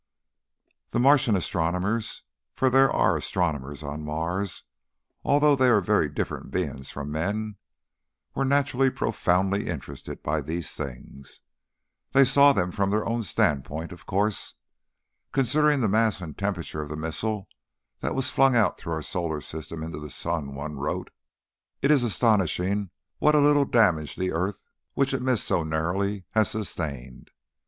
The Martian astronomers for there are astronomers on Mars, although they are very different beings from men were naturally profoundly interested by these things. They saw them from their own standpoint of course. "Considering the mass and temperature of the missile that was flung through our solar system into the sun," one wrote, "it is astonishing what a little damage the earth, which it missed so narrowly, has sustained.